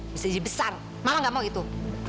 bisa jadi besar mama nggak mau gitu